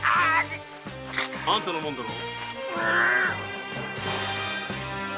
あんたの物だろう。